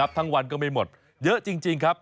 ทั้งวันก็ไม่หมดเยอะจริงครับ